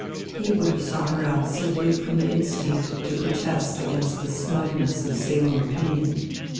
He would have sought her out simply from the instinct to protest against the smugness of Salem opinion.